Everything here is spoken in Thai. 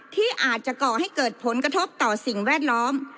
ที่อาจจะก่อให้เกิดผลกระทบต่อสิ่งแวดล้อม